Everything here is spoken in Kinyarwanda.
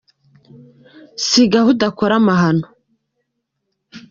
sigaho udakora amahano.